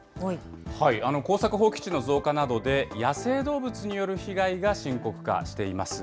耕作放棄地の増加などで、野生動物による被害が深刻化しています。